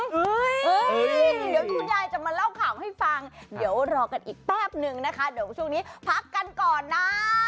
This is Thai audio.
เดี๋ยวคุณยายจะมาเล่าข่าวให้ฟังเดี๋ยวรอกันอีกแป๊บนึงนะคะเดี๋ยวช่วงนี้พักกันก่อนนะ